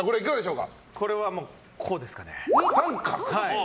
これは、こうですかね。